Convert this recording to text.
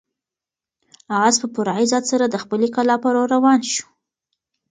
آس په پوره عزت سره د خپلې کلا په لور روان شو.